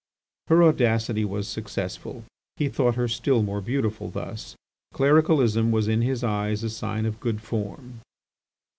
Her audacity was successful. He thought her still more beautiful thus. Clericalism was in his eyes a sign of good form.